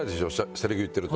セリフ言ってると。